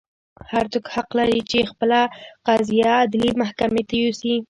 هر څوک حق لري چې خپله قضیه عدلي محکمې ته یوسي.